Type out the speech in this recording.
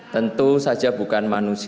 tentu saja bukan manusia